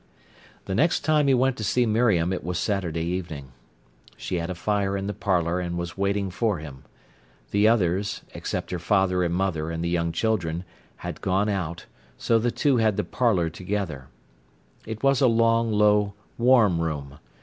The next time he went to see Miriam it was Saturday evening. She had a fire in the parlour, and was waiting for him. The others, except her father and mother and the young children, had gone out, so the two had the parlour together. It was a long, low, warm room.